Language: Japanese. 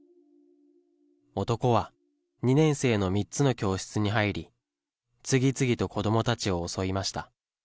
男は、２年生の３つの教室に入り、次々と子どもたちを襲いました。